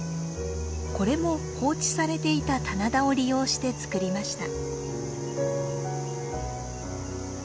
これも放置されていた棚田を利用して作りました。